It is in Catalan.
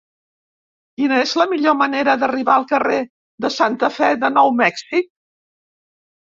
Quina és la millor manera d'arribar al carrer de Santa Fe de Nou Mèxic?